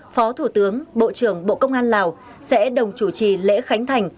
phó thủ tướng bộ trưởng bộ công an lào sẽ đồng chủ trì lễ khánh thành